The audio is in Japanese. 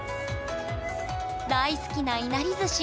大好きないなりずし。